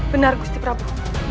benar gusti prabu